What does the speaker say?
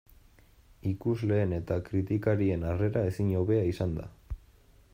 Ikusleen eta kritikarien harrera ezin hobea izan da.